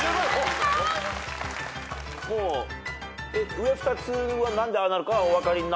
上２つは何でああなるかはお分かりになってるんですよね？